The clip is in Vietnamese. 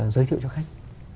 giới thiệu cho khách